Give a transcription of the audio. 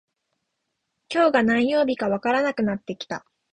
今日が何曜日かわからなくなってきた